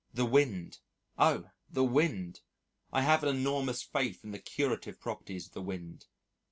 The wind! Oh! the wind I have an enormous faith in the curative properties of the wind.